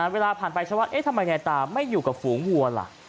เวลาผ่านไปชาวบ้านเอ๊ะทำไมยายตาไม่อยู่กับฝูงวัวล่ะ